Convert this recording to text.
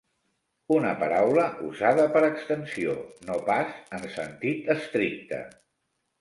Una paraula usada per extensió, no pas en sentit estricte.